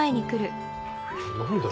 何だよ。